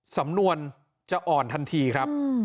สำนวนจะอ่อนทันทีครับ